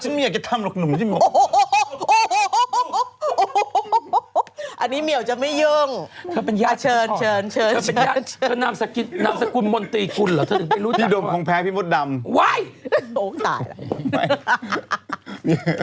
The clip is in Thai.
ฉันไม่อยากจะทำหรอกหนูสิ